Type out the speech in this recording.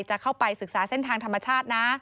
จะเข้าไปศึกษาเส้นทางธรรมชาตินะ